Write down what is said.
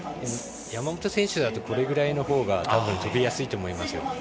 山本選手はこれぐらいのほうが飛びやすいと思います。